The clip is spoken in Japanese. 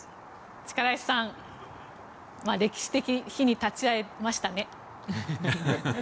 力石さん歴史的日に立ち会えましたね。